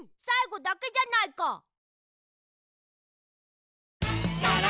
さいごだけじゃないか！